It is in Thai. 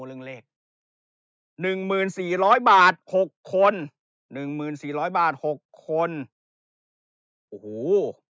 เรื่องเลข๑๔๐๐๐บาท๖คน๑๔๐๐๐บาท๖คนงู